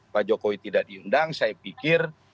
pak jokowi tidak diundang saya pikir